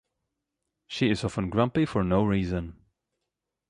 She is often grumpy for no reason.